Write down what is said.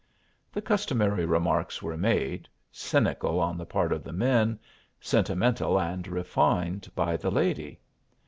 The customary remarks were made, cynical on the part of the men, sentimental and refined by the lady.